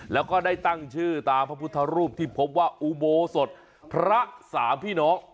แล้วก็ได้ตั้งชื่อตามพระพุทธรูปที่พบว่าอุโบสถพระสามพี่น้อง